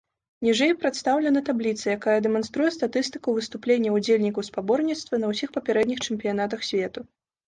Ніжэй прадстаўлена табліца, якая дэманструе статыстыку выступленняў удзельнікаў спаборніцтва на ўсіх папярэдніх чэмпіянатах свету.